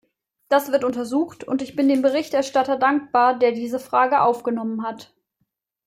Das wird untersucht, und ich bin dem Berichterstatter dankbar, der diese Frage aufgenommen hat.